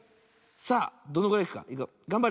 さあどんぐらいいくか。